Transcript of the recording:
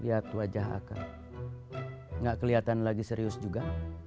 lihat wajah akar gak keliatan lagi serius juga